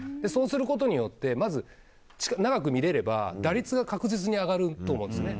そうすることによってまず長く見れれば打率が確実に上がると思います。